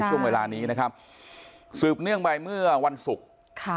ช่วงเวลานี้นะครับสืบเนื่องไปเมื่อวันศุกร์ค่ะ